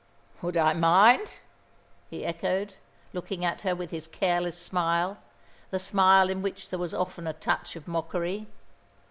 "Would I mind?" he echoed, looking at her with his careless smile, the smile in which there was often a touch of mockery.